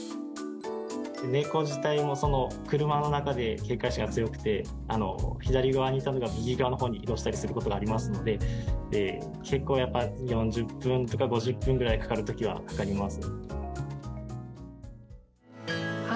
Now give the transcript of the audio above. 猫自体も車の中で警戒心が強くて、左側にいたのが右側のほうに移動したりすることがありますので、結構やっぱ４０分とか、５０分ぐらいかかるときはかかります。